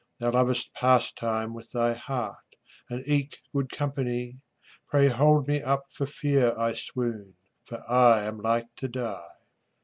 Thou lovedst pastime with thy heart, And eke good company; Pray hold me up for fear I swoon, For I am like to die.